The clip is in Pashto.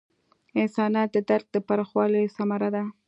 انسانیت د درک د پراخوالي ثمره ده.